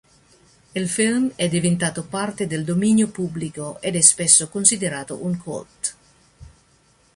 Il film è diventato parte del dominio pubblico ed è spesso considerato un cult.